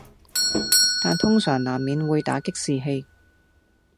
但通常難免會打擊士氣